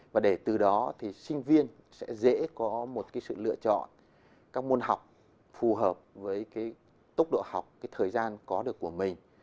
và để từ đó thì sinh viên sẽ dễ có một sự lựa chọn các môn học phù hợp với tốc độ học thời gian có được của mình